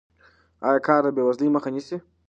آیا کار د بې وزلۍ مخه نیسي؟